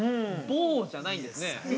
◆「ボー」じゃないんですね。